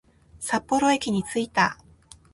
札幌駅に着いた